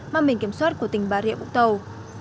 mang biển kiểm soát của tỉnh bà rịa vũng tàu